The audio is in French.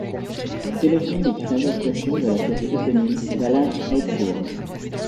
Ce téléfilm est une adaptation de la pièce éponyme d'Alan Ayckbourn.